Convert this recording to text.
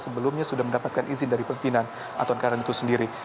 sebelumnya sudah mendapatkan izin dari pembina anton karlian itu sendiri